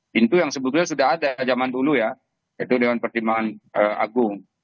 pintu yang sebetulnya sudah ada zaman dulu ya itu dewan pertimbangan agung